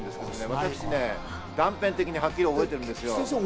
私は断片的にはっきり覚えてるんですよ。